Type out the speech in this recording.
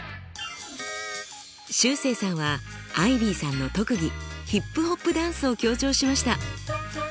しゅうせいさんはアイビーさんの特技ヒップホップダンスを強調しました。